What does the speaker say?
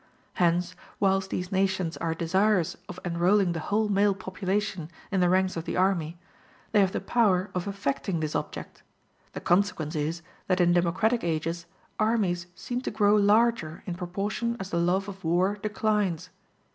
Hence, whilst these nations are desirous of enrolling the whole male population in the ranks of the army, they have the power of effecting this object: the consequence is, that in democratic ages armies seem to grow larger in proportion as the love of war declines.